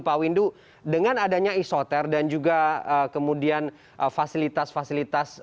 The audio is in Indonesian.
pak windu dengan adanya isoter dan juga kemudian fasilitas fasilitas